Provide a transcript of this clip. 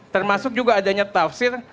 termasuk juga adanya tafsir